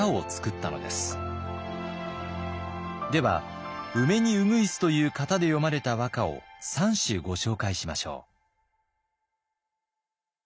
では「梅に鶯」という型で詠まれた和歌を３首ご紹介しましょう。